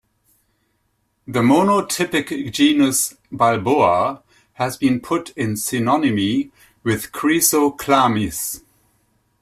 The monotypic genus Balboa has been put in synonymy with "Chrysochlamys".